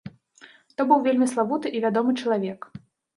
То быў вельмі славуты і вядомы чалавек.